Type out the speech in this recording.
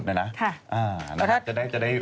เออหรือว่าจะได้รู้ไหม